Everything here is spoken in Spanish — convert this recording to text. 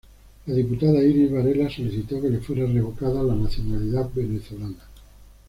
La diputada Iris Varela solicitó que le fuera revocada la nacionalidad venezolana.